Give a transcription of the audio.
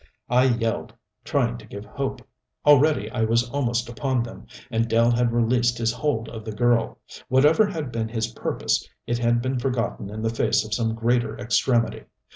I yelled, trying to give hope. Already I was almost upon them; and Dell had released his hold of the girl. Whatever had been his purpose it had been forgotten in the face of some greater extremity.